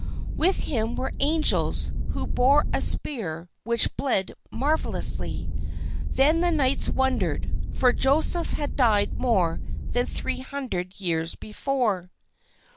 With him were angels who bore a spear which bled marvelously. Then the knights wondered, for Joseph had died more than three hundred years before.